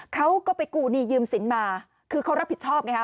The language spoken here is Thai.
เขาก็ไปกู้หนี้ยืมสินมาคือเขารับผิดชอบไงฮะ